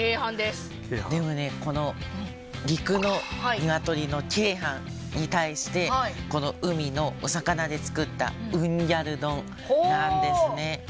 でもねこの陸のニワトリの鶏飯に対してこの海のお魚で作ったウンギャル丼なんですね。